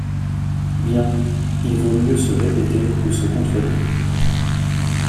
Bien ! Il vaut mieux se répéter que se contredire.